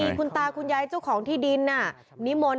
มีคุณตาคุณยายเจ้าของที่ดินนิมนต์